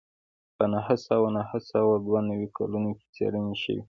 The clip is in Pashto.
په نهه سوه نهه سوه دوه نوي کلونو کې څېړنې شوې